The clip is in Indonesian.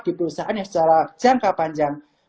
di perusahaan yang secara jangka panjang